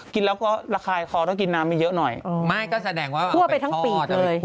กินแล้วก็ระคายคอต้องกินน้ำเยอะหน่อยไม่ก็แสดงว่าทั่วไปทั้งปีกเลย